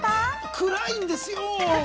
暗いんですよ。